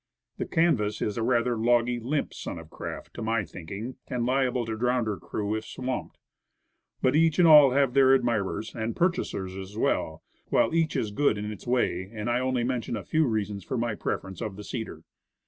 The canvas is rather a logy, limp sort of craft, to my thinking, and liable to drown her crew if swamped. But each and all have their admirers, and pur chasers as well, while each is good in its way, and I only mention a few reasons for my preference of the cedar.